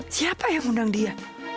siapa yang mengundang dia